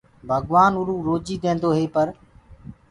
ڀگوآن اُروئو روجي ديديندوئي پر